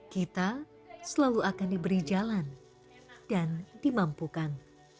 kita selalu akan diberi jalan dan dimampukan